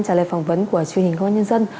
trả lời phỏng vấn của truyền hình công an nhân dân